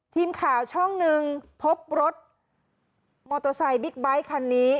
ทีมข่าวช่อง๑พบรถมอโตไซด์บิ๊กไบล์ต์คันนี้